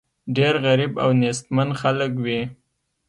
ډېر غریب او نېستمن خلک وي.